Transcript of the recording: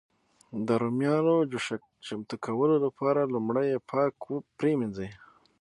د رومیانو جوشه چمتو کولو لپاره لومړی یې پاک پرېمنځي.